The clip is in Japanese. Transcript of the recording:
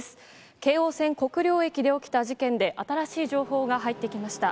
京王線国領駅で起きた事件で、新しい情報が入ってきました。